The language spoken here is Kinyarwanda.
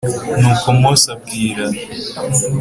Nuko Mose abwira